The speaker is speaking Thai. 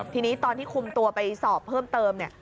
ทีนี้ตอนที่คุมตัวไปสอบเพิ่มเติมเนี่ย